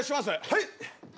はい！